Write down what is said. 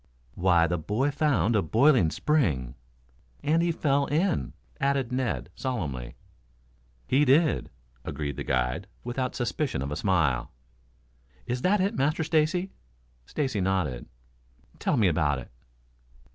"Why, the boy found a boiling spring " "And he fell in," added Ned solemnly. "He did," agreed the guide, without the suspicion of a smile. "Is that it, Master Stacy?" Stacy nodded. "Tell me about it."